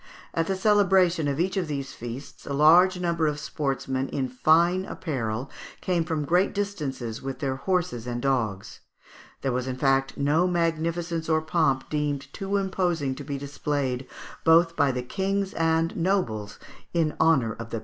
At the celebration of each of these feasts a large number of sportsmen in "fine apparel" came from great distances with their horses and dogs. There was, in fact, no magnificence or pomp deemed too imposing to be displayed, both by the kings and nobles, in honour of the patron saint of hunting (Fig.